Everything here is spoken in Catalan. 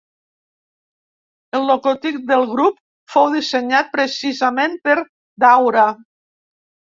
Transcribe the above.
El logotip del grup fou dissenyat precisament per Daura.